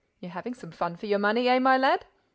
—You're having some fun for your money, eh, my lad?